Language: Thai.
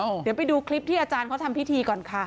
เดี๋ยวไปดูคลิปที่อาจารย์เขาทำพิธีก่อนค่ะ